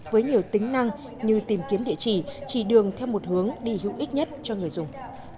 với nhiều tính năng như tìm kiếm địa chỉ chỉ đường theo một hướng đi hữu ích nhất cho người dùng